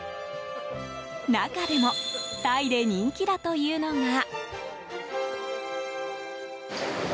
中でもタイで人気だというのが。